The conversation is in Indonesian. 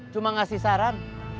cuma ngasih saran